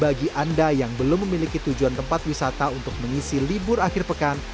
bagi anda yang belum memiliki tujuan tempat wisata untuk mengisi libur akhir pekan